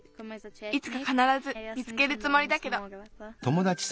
いつかかならず見つけるつもりだけど。